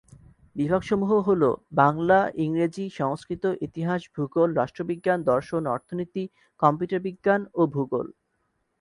বিভাগসমূহ হল- বাংলা, ইংরেজি, সংস্কৃত, ইতিহাস, ভূগোল, রাষ্ট্রবিজ্ঞান, দর্শন, অর্থনীতি, কম্পিউটার বিজ্ঞান, ও ভূগোল।